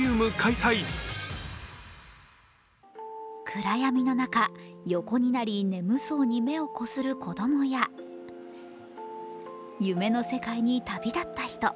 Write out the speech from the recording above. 暗闇の中、横になり眠そうに目をこする子供や夢の世界に旅立った人。